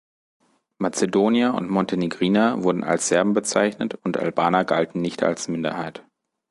Mazedonier und Montenegriner wurden als Serben bezeichnet und Albaner galten nicht als Minderheit.